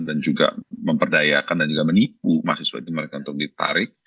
dan juga memperdayakan dan juga menipu mahasiswa itu mereka untuk ditarik